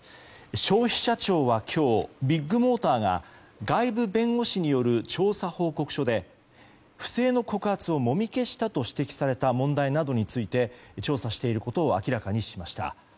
消費者庁は今日ビッグモーターが外部弁護士による調査報告書で不正の告発をもみ消したと指摘された問題などについて調査していることを明らかにしました。